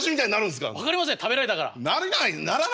分かりません食べられたから。